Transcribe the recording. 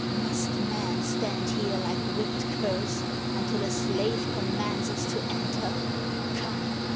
Must men stand here like whipped curs until a slave commands us enter? Come!